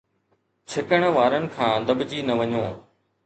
ڇڪڻ وارن کان دٻجي نه وڃو